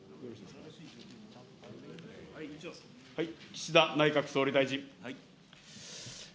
岸田内閣総理大臣。